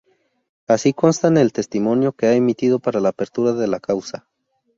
Así consta en el testimonio que ha emitido para la apertura de la causa.